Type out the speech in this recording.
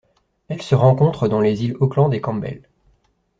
Elle se rencontre dans les îles Auckland et Campbell.